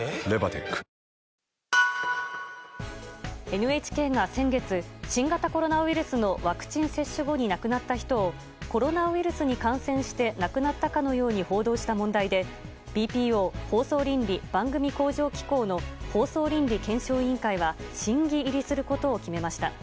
ＮＨＫが先月新型コロナウイルスのワクチン接種後に亡くなった人をコロナウイルスに感染して亡くなったかのように報道した問題でＢＰＯ・放送倫理・番組向上機構の放送倫理検証委員会は審議入りすることを決めました。